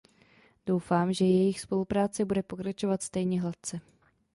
Doufám, že jejich spolupráce bude pokračovat stejně hladce.